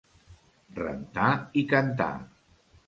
Rentar i cantar.